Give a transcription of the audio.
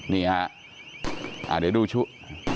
นี่ฮะเดี๋ยวดูชุด